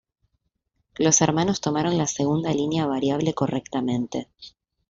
Los hermanos tomaron la segunda línea variable correctamente.